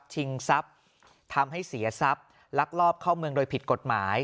ชิงทรัพย์ทำให้เสียทรัพย์ลักลอบเข้าเมืองโดยผิดกฎหมาย